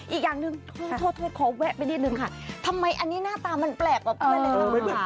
อีกอย่างหนึ่งโทษขอแวะไปนิดนึงค่ะทำไมอันนี้หน้าตามันแปลกกว่านั้นเลยค่ะ